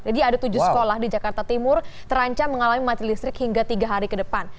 jadi ada tujuh sekolah di jakarta timur terancam mengalami mati listrik hingga tiga hari ke depan